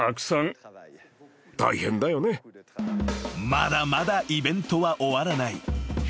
［まだまだイベントは終わらない］